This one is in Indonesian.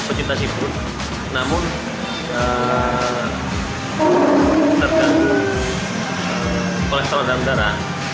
kita sibuk namun terganggu oleh seluruh negara